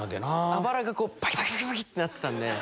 あばらがパキパキパキパキってなってたんで。